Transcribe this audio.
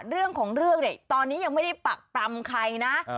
เรื่องของเรูกเตอนี่ยังไม่ได้ปรับปรำใครนะ